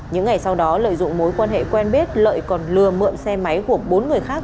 những ngày sau đó lợi dụng mối quan hệ quen biết lợi còn lừa mượn xe máy của bốn người khác